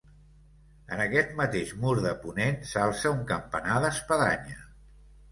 En aquest mateix mur de ponent s'alça un campanar d'espadanya.